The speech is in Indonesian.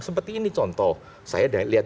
seperti ini contoh saya lihat